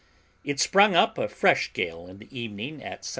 It sprung up a fresh gale in the evening at S.W.